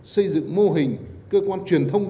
xây dựng mô hình cơ quan truyền thông